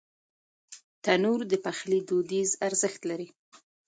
تنور د پخلي دودیز ارزښت لري